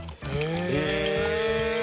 へえ！